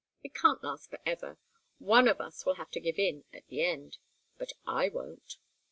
It can't last forever. One of us will have to give in, at the end but I won't.